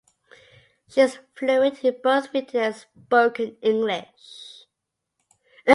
She is fluent in both written and spoken English.